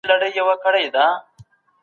مشران څنګه د ښځو حقونه خوندي ساتي؟